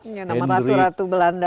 ini nama ratu ratu belanda